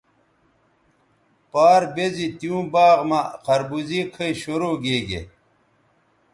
پار بیزی تیوں باغ مہ خربوزے کھئ شروع گیگے